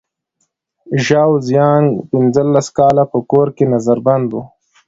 ژاو زیانګ پنځلس کاله په کور کې نظر بند و.